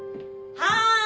はい。